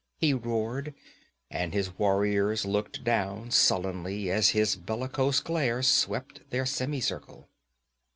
he roared, and his warriors looked down sullenly as his bellicose glare swept their semicircle.